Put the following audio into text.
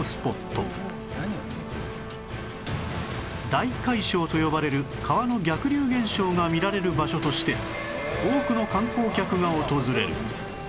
大海嘯と呼ばれる川の逆流現象が見られる場所として多くの観光客が訪れる